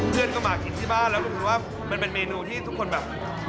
เพื่อนก็มากินที่บ้านแล้วรู้สึกว่ามันเป็นเมนูที่ทุกคนแบบ